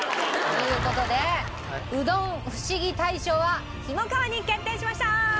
という事でうどんフシギ大賞はひもかわに決定しました！